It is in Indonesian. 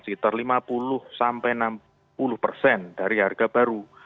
sekitar lima puluh enam puluh dari harga baru